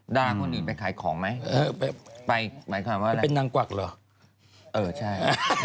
ดาราคนอื่นไปขายของมั้ย